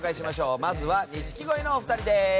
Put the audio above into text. まずは錦鯉のお二人です。